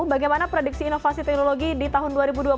bagaimana prediksi inovasi teknologi di tahun dua ribu dua puluh